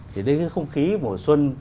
thì đây là cái không khí mùa xuân